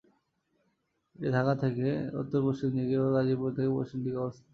এটি ঢাকা থেকে উত্তর-পশ্চিম দিকে ও গাজীপুর থেকে পশ্চিম দিকে অবস্থিত।